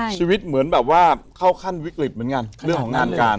แล้วขั้นวิกฤตเหมือนกันเรื่องของงานการ